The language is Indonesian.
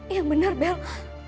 yang bener bella